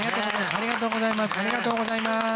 ありがとうございます。